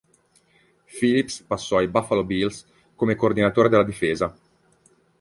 Phillips passò ai Buffalo Bills come coordinatore della difesa.